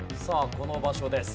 この場所です。